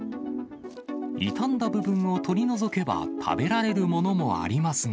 傷んだ部分を取り除けば、食べられるものもありますが。